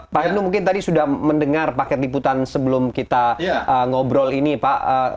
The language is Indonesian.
pak hipnu mungkin tadi sudah mendengar paket liputan sebelum kita ngobrol ini pak